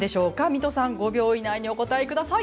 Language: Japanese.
三戸さん５秒以内にお答えください。